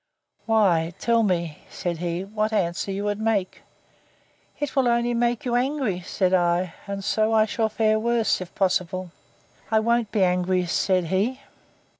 Why, tell me, said he, what answer you would make? It will only make you angry, said I; and so I shall fare worse, if possible. I won't be angry, said he.